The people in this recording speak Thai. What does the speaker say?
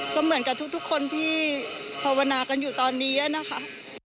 ก็เหมือนกับทุกคนที่ภาวนากันอยู่ตอนนี้นะคะ